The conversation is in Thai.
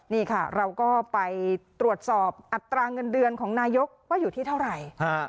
นี่ค่ะเราก็ไปตรวจสอบอัตราเงินเดือนของนายกว่าอยู่ที่เท่าไหร่